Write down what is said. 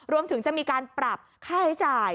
รวมถึงจะมีการปรับค่าใช้จ่าย